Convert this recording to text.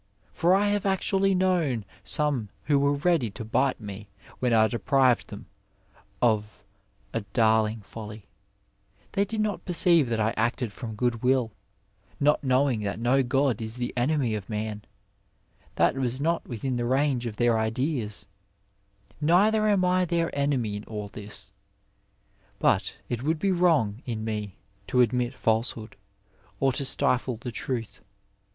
For I have actually known some who were ready to bite me when I deprived them of a darling folly ; they did not perceive that I acted from good will, not knowing that no god is the enemy of man — that was not within the range of their ideas ; neither am I their enemy in all this, but it would be wrong in me to admit falsehood, or to stifle the truth.